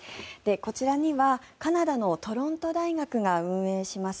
こちらにはカナダのトロント大学が運営します